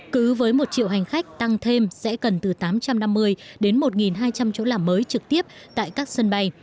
cứ với một triệu hành khách tăng thêm sẽ cần từ tám trăm năm mươi đến một hai trăm linh chỗ làm mới trực tiếp tại các sân bay